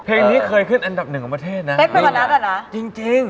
เพลงนี้เคยขึ้นอันดับหนึ่งของประเทศนะเป๊กพนัทอ่ะนะจริงจริง